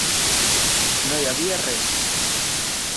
No hi havia res.